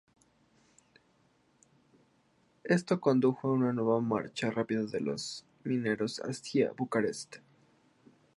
Esto condujo a una nueva marcha rápida de los mineros hacia Bucarest.